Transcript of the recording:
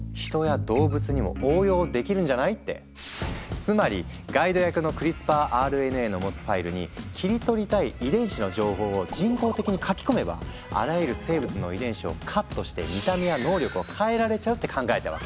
つまりガイド役のクリスパーＲＮＡの持つファイルに切り取りたい遺伝子の情報を人工的に書き込めばあらゆる生物の遺伝子をカットして見た目や能力を変えられちゃうって考えたわけ。